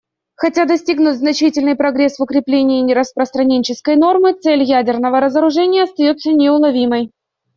Хотя достигнут значительный прогресс в укреплении нераспространенческой нормы, цель ядерного разоружения остается неуловимой.